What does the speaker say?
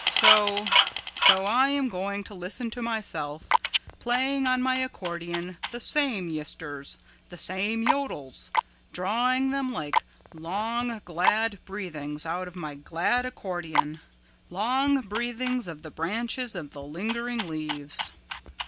So so I am going to listen to myself playing on my accordion the same yisters, the same yodels, drawing them like long glad breathings out of my glad accordion, long breathings of the branches of the lingering leaves."